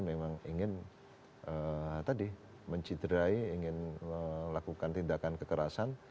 memang ingin mencidrai ingin melakukan tindakan kekerasan